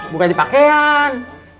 bukan di pakaian